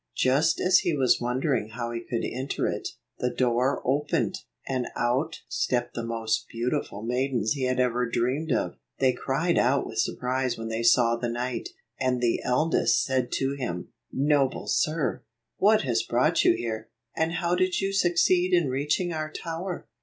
Just as he was wondering how he could enter it, the door opened, and out stepped the most beautiful maidens he had ever dreamed of. They cried out with surprise when they saw the knight, and the eldest said to him, "Noble sir, what has brought you here, and how did you succeed in reaching our tower?